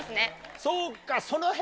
そうかその辺。